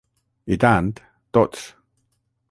I tant, tots!